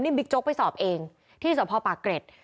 นี่บิ๊กโจ๊กไปสอบเองที่สภปากเกร็ด